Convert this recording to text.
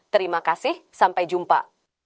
terima kasih sampai jumpa